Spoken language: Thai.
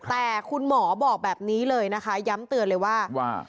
แต่คุณหมอบอกแบบนี้เลยนะคะย้ำเตือนเลยว่า